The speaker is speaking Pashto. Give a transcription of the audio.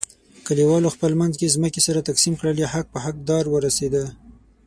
کلیوالو خپل منځ کې ځمکې سره تقسیم کړلې، حق په حق دار ورسیدا.